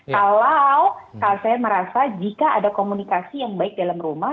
kalau saya merasa jika ada komunikasi yang baik dalam rumah